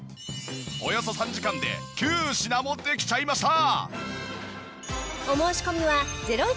およそ３時間で９品もできちゃいました！